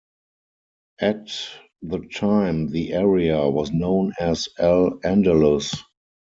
At the time the area was known as Al-Andalus.